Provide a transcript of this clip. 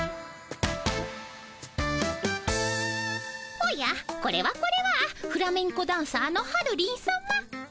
おやこれはこれはフラメンコダンサーの春リンさま。